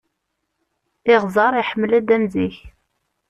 Iɣẓer iḥemmel-d am zik.